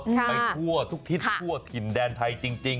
ไปทั่วทุกทิศทั่วถิ่นแดนไทยจริง